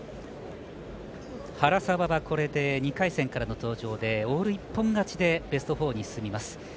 原沢はこれで２回戦からの登場でオール一本勝ちでベスト４に進みます。